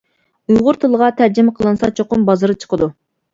ئۇيغۇر تىلىغا تەرجىمە قىلىنسا چوقۇم بازىرى چىقىدۇ.